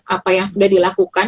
apa yang sudah dilakukan